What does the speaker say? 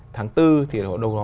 tháng bốn thì nó có đâu đó